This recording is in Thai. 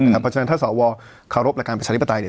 เพราะฉะนั้นถ้าสวขารบระการประชาฤปไตร